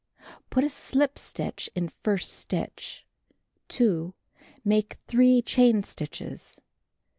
Put 1 slip stitch in first stitch. 2. Make 3 chain stitches. 3.